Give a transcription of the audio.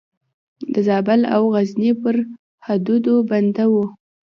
د زابل او غزني پر حدودو بنده وه.